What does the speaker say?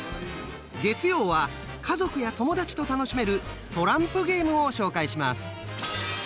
月曜は家族や友達と楽しめるトランプゲームを紹介します。